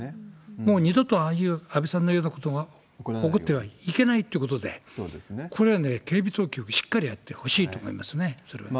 もう二度と、ああいう安倍さんのようなことが起こってはいけないということで、これはね、警備当局、しっかりやってほしいと思いますね、それは。